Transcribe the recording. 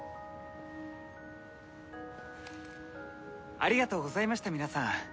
ありがとうございました皆さん。